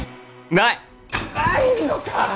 ないのか！